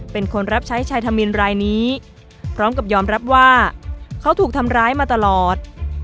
เป็นคนรับใช้ชายธมินรายนี้พร้อมกับยอมรับว่าเขาถูกทำร้ายมาตลอด